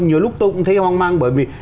nhiều lúc tôi cũng thấy hoang mang bởi vì